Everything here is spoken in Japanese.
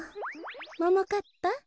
ももかっぱ